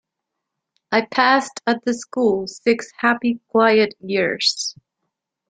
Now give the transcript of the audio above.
I passed at the school six happy, quiet years.